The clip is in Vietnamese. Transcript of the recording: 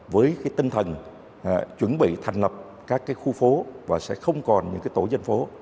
với cái tinh thần chuẩn bị thành lập các cái khu phố và sẽ không còn những cái tổ dân phố